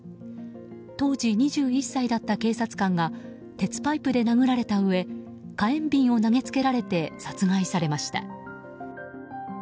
当時２１歳だった警察官が鉄パイプで殴られたうえ火炎瓶を投げつけられて殺害されました。